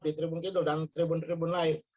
di tribune kidul dan tribune tribune lain